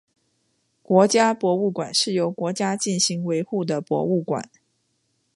国家博物馆是由国家进行维护的博物馆。